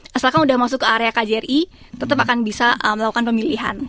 nah setelah kan udah masuk ke area kjri tetap akan bisa melakukan pemilihan